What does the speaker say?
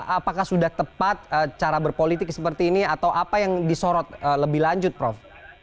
apakah sudah tepat cara berpolitik seperti ini atau apa yang disorot lebih lanjut prof